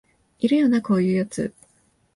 いるよなこういうやつ